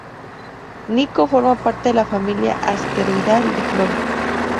Nikko forma parte de la familia asteroidal de Flora.